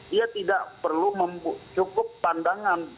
dia tidak perlu cukup pandangan